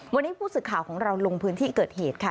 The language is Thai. วันนี้ผู้สื่อข่าวของเราลงพื้นที่เกิดเหตุค่ะ